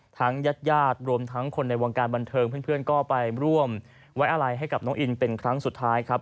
ญาติญาติรวมทั้งคนในวงการบันเทิงเพื่อนก็ไปร่วมไว้อะไรให้กับน้องอินเป็นครั้งสุดท้ายครับ